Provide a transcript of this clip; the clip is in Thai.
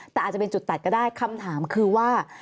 แต่อาจจะเป็นจุดตัดก็ได้คำถามคือว่า